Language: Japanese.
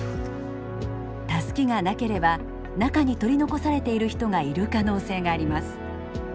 タスキがなければ中に取り残されている人がいる可能性があります。